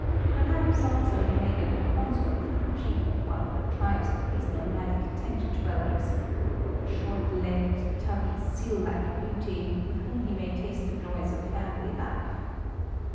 Perhaps also he may get a consort from the chief of one of the tribes of these nomadic tent dwellers, a short legged, tubby, seal like beauty, with whom he may taste the joys of family life.